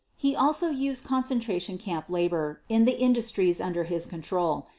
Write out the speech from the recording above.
He also used concentration camp labor in the industries under his control.